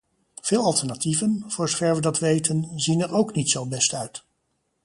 Veel alternatieven, voor zover we dat weten, zien er ook niet zo best uit.